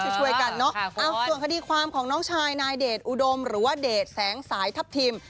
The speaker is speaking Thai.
ช่วยกันเนอะส่วนคดีความของน้องชายนายเดชอุดมหรือว่าเดชแสงสายทัพทิม